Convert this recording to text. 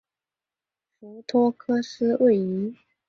斯托克斯位移。